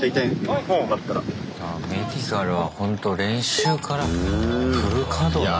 メディカルはほんと練習からフル稼働なんだな。